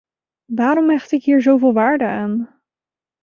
Waarom hecht ik hier zoveel waarde aan?